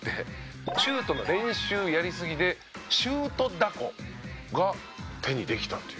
シュートの練習やりすぎでシュートだこが手にできたっていう。